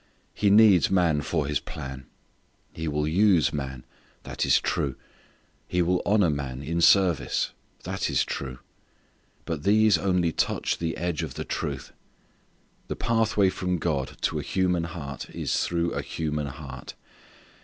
He needs man for His plan. He will use man. That is true. He will honour man in service. That is true. But these only touch the edge of the truth. The pathway from God to a human heart is through a human heart.